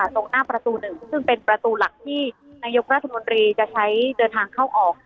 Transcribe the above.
ตรงหน้าประตูหนึ่งซึ่งเป็นประตูหลักที่นายกรัฐมนตรีจะใช้เดินทางเข้าออก